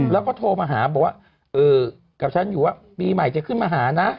แล้วก็โทรมาหาบอกว่ากับฉันอยู่ว่าปีใหม่จะขึ้นมาหานะ